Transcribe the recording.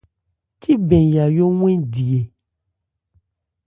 Cíbɛn Yayó 'wɛn di ɛ ?